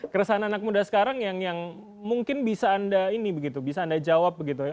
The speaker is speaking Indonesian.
keresahan anak muda sekarang yang mungkin bisa anda jawab gitu ya